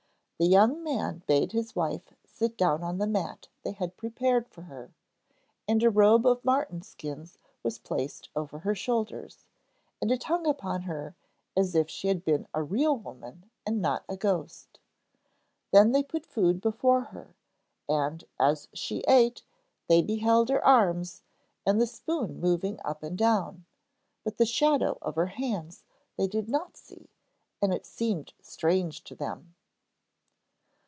The young man bade his wife sit down on the mat they had prepared for her, and a robe of marten skins was placed over her shoulders, and it hung upon her as if she had been a real woman and not a ghost. Then they put food before her, and, as she ate, they beheld her arms, and the spoon moving up and down. But the shadow of her hands they did not see, and it seemed strange to them.